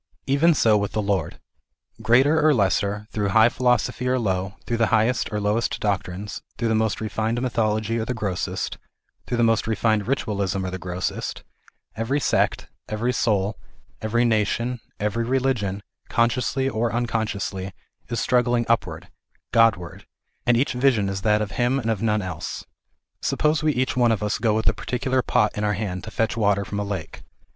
Even so with the Lord. Greater or less, through high philosophy or low, through the highest or lowest doctrines, through the most refined mythology or the most gross, through the most refined ritualism or the grossest, every sect, every soul, every nation, e very i religion consciously or unconsciously, is struggling upward, God ward and each vision is that of Him and of none else. Suppose we each one of us go with a particular pot in our hand to fetch water from a lake.